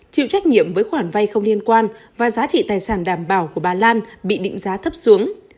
chịu trách nhiệm với khoản vay không liên quan và giá trị tài sản đảm bảo của bà lan bị định giá thấp xuống